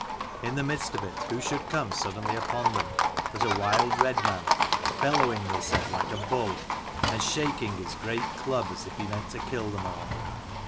In the midst of it who should come suddenly upon them but a wild red man, bellowing, they said, like a bull, and shaking his great club as if he meant to kill them all.